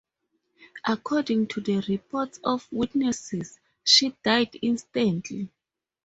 According to the reports of witnesses, she died instantly.